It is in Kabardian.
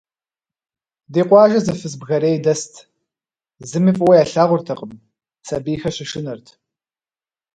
Ди къуажэ зы фыз бгэрей дэст, зыми фӏыуэ ялъагъуртэкъым, сабийхэр щышынэрт.